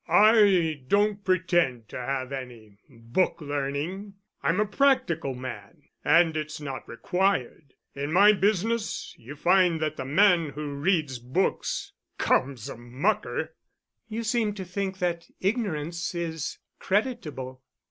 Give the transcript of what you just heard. "I don't pretend to have any book learning; I'm a practical man, and it's not required. In my business you find that the man who reads books, comes a mucker!" "You seem to think that ignorance is creditable."